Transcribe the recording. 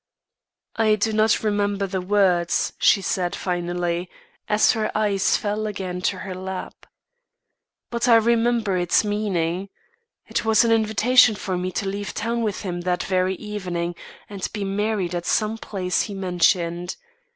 "I do not remember the words," she said, finally, as her eyes fell again to her lap. "But I remember its meaning. It was an invitation for me to leave town with him that very evening and be married at some place he mentioned.